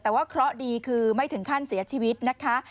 แต่ว่าเคราะห์ดีคือไม่ถึงขั้นเสียชีวิตนะคะ